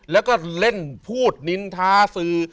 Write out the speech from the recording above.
แล้วก็เล่นพูดนินทาสื่อ